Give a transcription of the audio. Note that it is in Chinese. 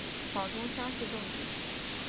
广东乡试中举。